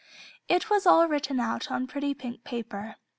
It was all written out on pretty pink paper.